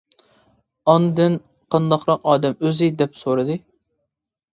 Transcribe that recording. ئاندىن، — قانداقراق ئادەم ئۆزى؟ — دەپ سورىدى.